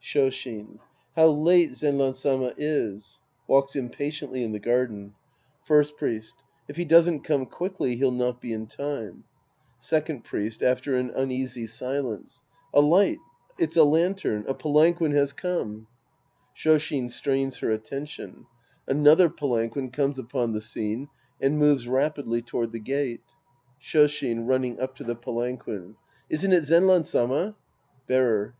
Shoshin. How late Zenran Sama is ! {Walks impatiently in the garden.) First Priest. If he doesn't come quickly, he'll not be in time. Second Priest {after an uneasy silence). A light. It's a lantern. A palanquin has come. {Shoshin strains her attention. Another palanquin Sc. Ill The Priest and His Disciples 237 comes upon the scene and moves rapidly toward the gate ^ Shoshin (running up to the palanquin).. Isn't it Zenran Sama ? Bearer.